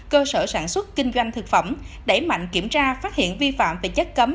cơ sở sản xuất kinh doanh thực phẩm đẩy mạnh kiểm tra phát hiện vi phạm về chất cấm